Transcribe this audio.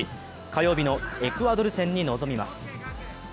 火曜日のエクアドル戦に臨みます。